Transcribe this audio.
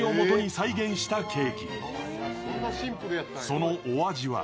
そのお味は？